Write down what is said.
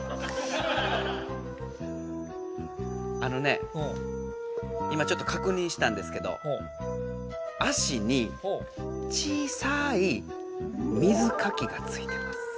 あのね今ちょっとかくにんしたんですけど足に小さい水かきがついてます。